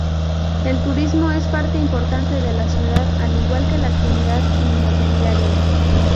El turismo es parte importante de la ciudad al igual que la actividad inmobiliaria.